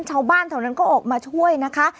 ชาวบ้านแถวนั้นก็ออกมาช่วยนะคะ